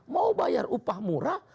mau bayar upah murah